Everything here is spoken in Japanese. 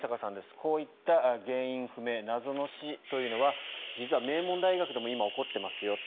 こういった原因不明謎の死というのは実は名門大学でも今、起こっていますよ。